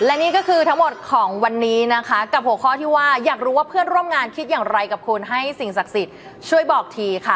และนี่ก็คือทั้งหมดของวันนี้นะคะกับหัวข้อที่ว่าอยากรู้ว่าเพื่อนร่วมงานคิดอย่างไรกับคุณให้สิ่งศักดิ์สิทธิ์ช่วยบอกทีค่ะ